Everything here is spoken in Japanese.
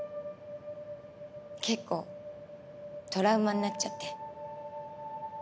結構トラウマになっちゃって。